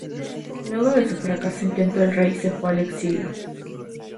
Luego de su fracasado intento el rey se fue al exilio.